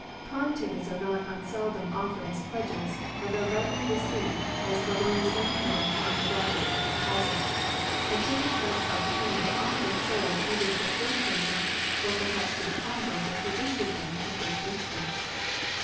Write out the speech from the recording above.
Pawn tickets are not unseldom offered as pledges, and are readily received, as the loan is never more than half the value of the deposit ; and tickets thus obtained are often sold either to a third person or perhaps to the pawnbroker who issued them in the first instance.